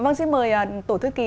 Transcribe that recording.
vâng xin mời tổ thư ký